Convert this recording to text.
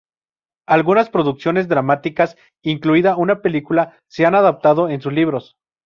Algunas producciones dramáticas, incluida una película, se han adaptado de sus libros.